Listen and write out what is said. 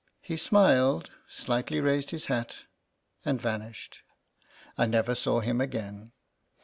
He smiled, slightly raised his hat, and vanished. I never saw him again.